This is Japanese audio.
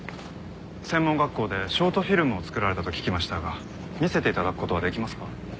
専門学校でショートフィルムを作られたと聞きましたが見せて頂く事はできますか？